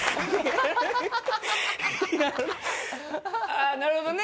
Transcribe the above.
ああなるほどね